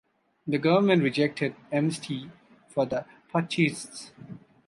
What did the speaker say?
The government rejected amnesty for the putschists.